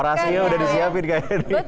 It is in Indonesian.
orasinya udah disiapin kayaknya nih